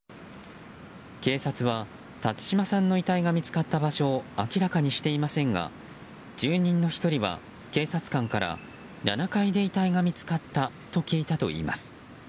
警察は辰島さんの遺体が見つかった場所を明らかにしていませんが住人の１人は、警察官から７階で遺体が見つかったと聞いたといいます。